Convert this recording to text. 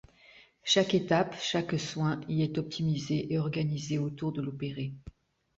Chaque étape, chaque soin y est optimisé et organisé autour de l’opéré.